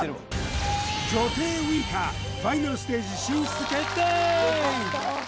女帝ウイカファイナルステージ進出決定！